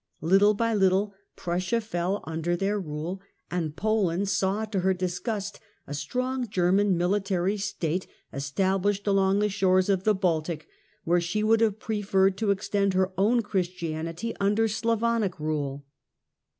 Little by Httle Prussia fell Conquest '^■. of Prussia under their rule, and Poland saw to her disgust a strong German mihtary State established along the shores of the Baltic, where she would have preferred to extend her own Christianity under Slavonic rule.